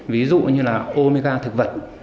ví dụ như là omega thực vật